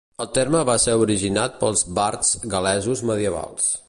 El terme va ser originat pels bards gal·lesos medievals.